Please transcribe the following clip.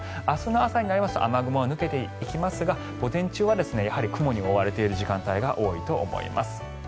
明日の朝になりますと雨雲は抜けていきますが午前中は雲に覆われている時間帯があると思います。